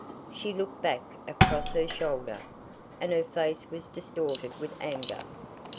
She looked back across her shoulder, and her face was distorted with anger.